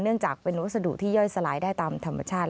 จากเป็นวัสดุที่ย่อยสลายได้ตามธรรมชาติ